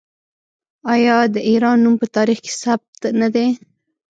آیا د ایران نوم په تاریخ کې ثبت نه دی؟